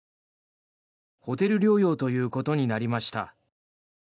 ホテル療養ということになりました。